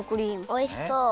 おいしそう！